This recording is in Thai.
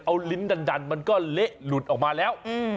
เอาลิ้นดันมันก็เละหลุดออกมาแล้ว